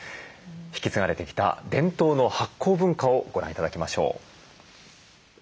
引き継がれてきた伝統の発酵文化をご覧頂きましょう。